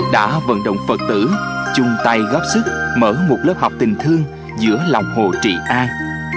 đã vận động phật tử chung tay góp sức mở một lớp học tình thương giữa lòng hồ trị an